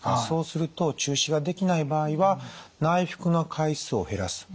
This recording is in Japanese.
そうすると中止ができない場合は内服の回数を減らす。